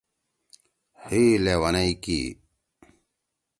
حی لیونئ کی